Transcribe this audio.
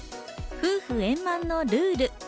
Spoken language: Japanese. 夫婦円満のルール。